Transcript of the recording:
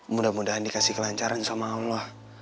mudah mudahan dikasih kelancaran sama allah